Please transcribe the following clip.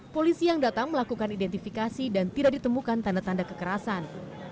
polisi yang datang melakukan identifikasi dan tidak ditemukan tanda tanda kekerasan